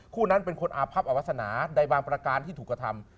คู่นั้นเป็นคนอาพับอวาสนาในบางประการที่ถูกกระทำ